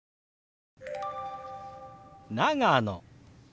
「長野」。